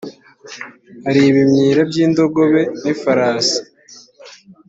hari ibimyira by’ indogobe n’ ifarasi.